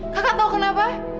kakak tau kenapa